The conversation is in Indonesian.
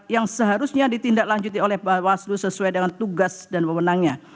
yang seharusnya ditindaklanjuti oleh bawaslu sesuai dengan tugas dan pemenangnya